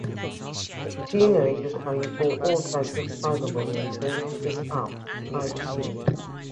Teenagers can report all types of cyberbullying to his app "Cyber Teens".